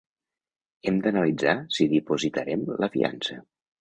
Hem d’analitzar si dipositarem la fiança.